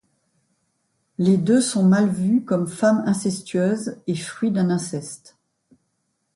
Les deux sont mal vus comme femme incestueuse et fruit d'un inceste.